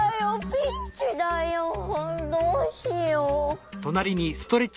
ピンチだよどうしよう。